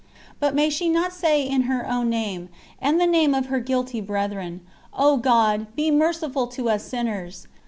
But may she not say in her own name, and the name of her guilty brethren: "O God, be merciful to us sinners!"